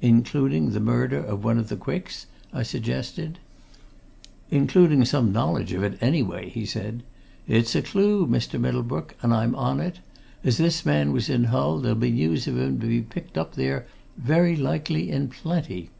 "Including the murder of one of the Quicks?" I suggested. "Including some knowledge of it, anyway," he said. "It's a clue, Mr. Middlebrook, and I'm on it. As this man was in Hull, there'll be news of him to be picked up there very likely in plenty."